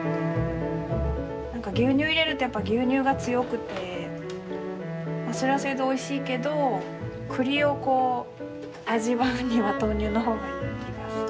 何か牛乳入れるとやっぱ牛乳が強くてそれはそれでおいしいけど栗をこう味わうには豆乳のほうがいい気がする。